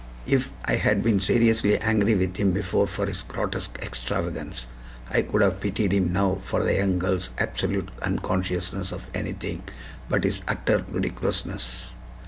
If I had been seriously angry with him before for his grotesque extravagance, I could have pitied him now for the young girl's absolute unconsciousness of anything but his utter ludicrousness.